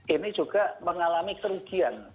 ini juga mengalami kerugian